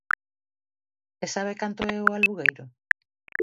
¿E sabe canto é o alugueiro?